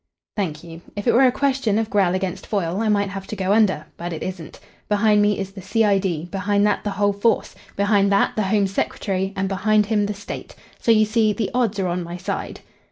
"Thank you. If it were a question of Grell against Foyle I might have to go under. But it isn't. Behind me is the C.I.D., behind that the whole force, behind that the Home Secretary, and behind him the State. So you see the odds are on my side."